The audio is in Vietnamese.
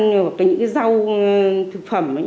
hoặc là những cái rau thực phẩm